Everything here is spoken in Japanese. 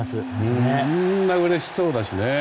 みんな、うれしそうだしね。